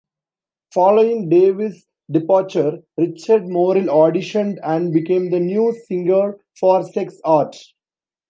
Following Davis's departure, Richard Morrill auditioned, and became the new singer for SexArt.